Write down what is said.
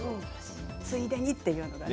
ついでにというのがね。